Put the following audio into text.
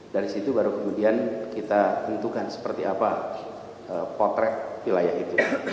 dari situ baru kemudian kita tentukan seperti apa potret wilayah itu